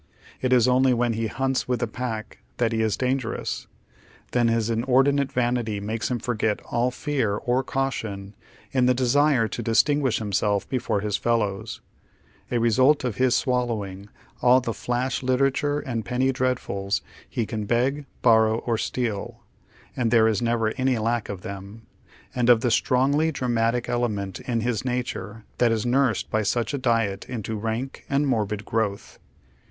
It is only when he hunts with the pack that he is dangerous. Then Iiis inoi dinate vanity makes him forget all fear or caution in the desire to distinguish liimself before liis fellows, a result of his swallowing all the flash literature and penny dreadfuls he can beg, boiTOw, or steal — and tliere is never any lack of them — and of the strongly dramatic element in his nature tJiat is nursed by such a diet into rank and morbid gi owth.